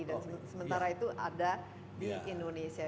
dan sementara itu ada di indonesia